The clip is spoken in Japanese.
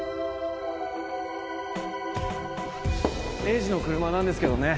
栄治の車なんですけどね